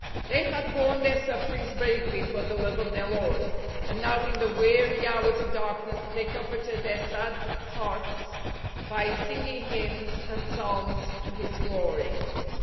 They had borne their sufferings bravely for the love of their Lord, and now in the weary hours of darkness they comforted their sad hearts by singing hymns and psalms to His glory.